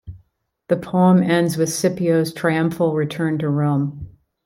The poem ends with Scipio's triumphal return to Rome.